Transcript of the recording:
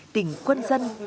tình quân dân